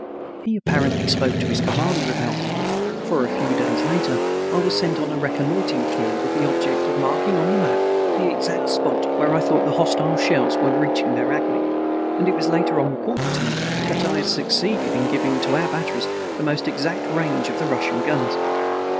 He apparently spoke to his commander about me, for a few days later I was sent on a reconnoitering tour, with the object of marking on the map the exact spot where I thought the hostile shells were reaching their acme, and it was later on reported to me that I had succeeded in giving to our batteries the almost exact range of the Russian guns.